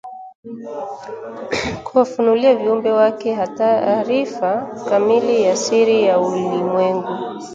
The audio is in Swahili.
kuwafunulia viumbe Wake taarifa kamili ya siri ya ulimwengu